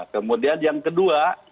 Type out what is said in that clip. kemudian yang kedua